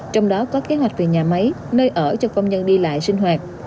trong đó có kế hoạch về nhà máy nơi ở cho công nhân đi lại sinh hoạt